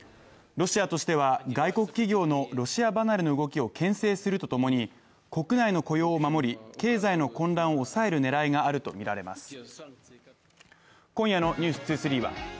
ロシアとしては外国企業のロシア離れの動きをけん制するとともに、国内の雇用を守り経済の混乱を抑える狙いがあるとみられます。